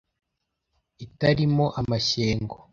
itali mo amashyengo